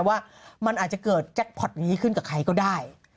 ว่ามันอาจจะเกิดแจ็คพอร์ตนี้ขึ้นกับใครก็ได้